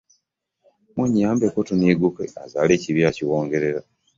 Munyambeko tunniguuke azaala ekibi akiwongerera.